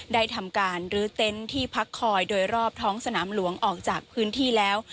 ได้ทำการรื้อเต็นต์ที่พักคอยโดยรอบท้องสนามหลวงออกจากพื้นที่แล้ว